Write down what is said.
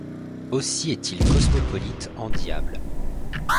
Aussi est-il cosmopolite en diable.